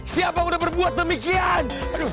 siapa udah berbuat demikian